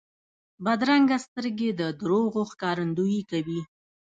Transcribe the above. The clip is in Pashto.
بدرنګه سترګې د دروغو ښکارندویي کوي